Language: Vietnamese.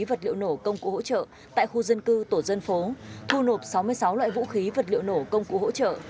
vật liệu nổ công cụ hỗ trợ tại khu dân cư tổ dân phố thu nộp sáu mươi sáu loại vũ khí vật liệu nổ công cụ hỗ trợ